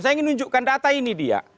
saya ingin nunjukkan data ini dia